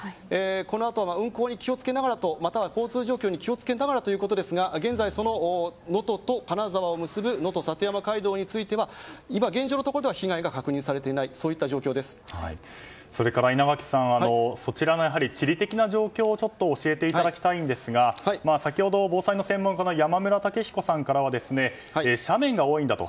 このあと運行に気を付けながらということですが現在、能登と金沢を結ぶのと里山海道については今現状のところでは被害が確認されていない稲垣さん、地理的な状況を教えていただきたいんですが先ほど防災の専門家の山村武彦さんから斜面が多いんだと。